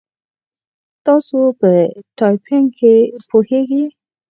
تاسو په ټایپینګ پوهیږئ؟